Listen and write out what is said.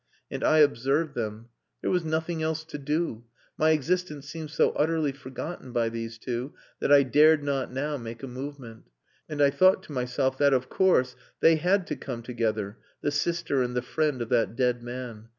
And I observed them. There was nothing else to do. My existence seemed so utterly forgotten by these two that I dared not now make a movement. And I thought to myself that, of course, they had to come together, the sister and the friend of that dead man.